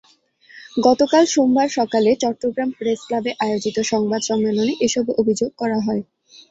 গতকাল সোমবার সকালে চট্টগ্রাম প্রেসক্লাবে আয়োজিত সংবাদ সম্মেলনে এসব অভিযোগ করা হয়।